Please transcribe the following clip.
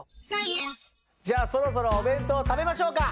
じゃあそろそろお弁当を食べましょうか。